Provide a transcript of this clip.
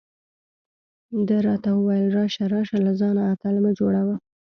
ده راته وویل: راشه راشه، له ځانه اتل مه جوړه.